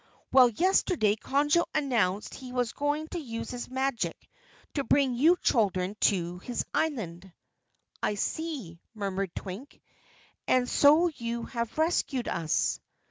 Well, yesterday Conjo announced he was going to use his magic to bring you children to his island." "I see," murmured Twink, "And so you have rescued us."